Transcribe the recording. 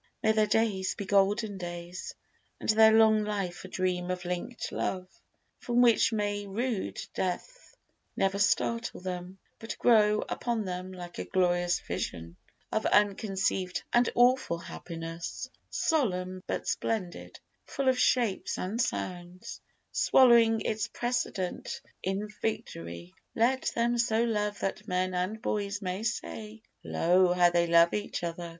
May their days be golden days, And their long life a dream of linked love, From which may rude Death never startle them, But grow upon them like a glorious vision Of unconceived and awful happiness, Solemn but splendid, full of shapes and sounds, Swallowing its precedent in victory. Let them so love that men and boys may say, Lo! how they love each other!